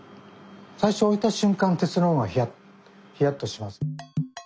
最初置いたしゅん間鉄の方がヒヤッとします。